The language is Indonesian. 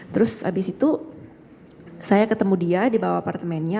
terus habis itu saya ketemu dia di bawah apartemennya